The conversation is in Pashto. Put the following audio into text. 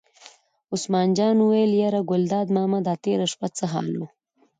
عثمان جان وویل: یاره ګلداد ماما دا تېره شپه څه حال و.